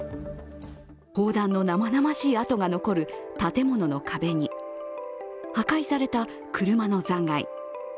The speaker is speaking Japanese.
砲弾の生々しい跡が残る建物の壁に破壊された車の残骸。